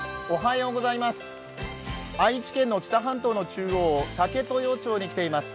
愛知県の知多半島の中央、武豊町に来ています。